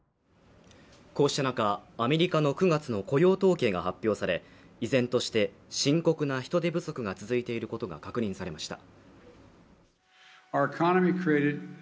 こうした中アメリカの９月の雇用統計が発表され依然として深刻な人手不足が続いていることが確認されました